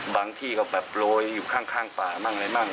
บางที่ก็แบบโรยอยู่ข้างป่าบ้างอะไรบ้าง